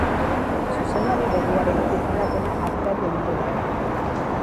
Zuzendari berriaren izendapena atzeratu egingo da.